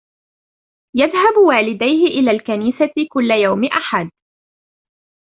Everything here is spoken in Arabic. يذهب والديه إلى الكنيسة كل يوم أحد.